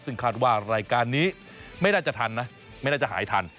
ซึ่งคาดว่ารายการนี้ไม่น่าจะทันนะไม่น่าจะหายทัน